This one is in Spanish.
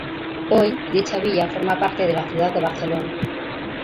Hoy, dicha villa forma parte de la ciudad de Barcelona.